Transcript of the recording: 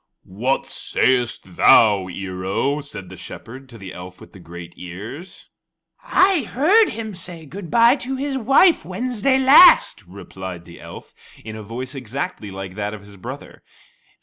"What sayest thou, Ear o?" said the Shepherd to the elf with the great ears. "I heard him say good bye to his wife Wednesday last," replied the elf in a voice exactly like that of his brother.